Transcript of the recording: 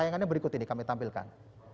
tayangannya berikut ini kami tampilkan